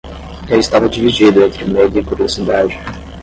Eu estava dividido entre medo e curiosidade.